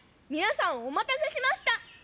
みなさんおまたせしました。